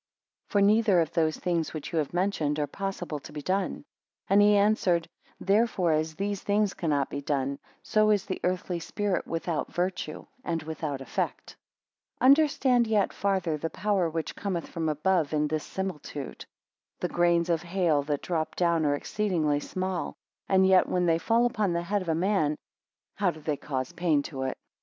For neither of those things which you have mentioned, are possible to be done. And he answered, Therefore as these things cannot be done, so is the earthy spirit without virtue, and without effect. 15 Understand yet farther the power which cometh from above, in this similitude. The grains of hail that drop down are exceedingly small; and yet when they fall upon the head of a man, how do they cause pain to it.